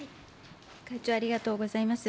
会長、ありがとうございます。